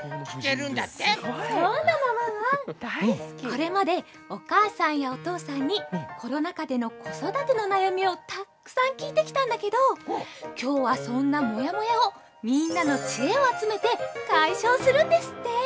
これまでお母さんやお父さんにコロナ禍での子育ての悩みをたっくさん聞いてきたんだけど今日はそんなもやもやをみんなのチエを集めて解消するんですって！